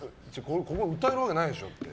ここで歌えるわけないでしょって。